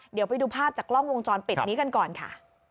เดี๋ยวไปดูภาพจากกล้องวงจรปิดนี้กันก่อนค่ะ